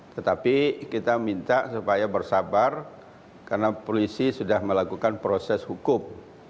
tetapi kita minta supaya bersabar karena polisi sudah melakukan proses hukum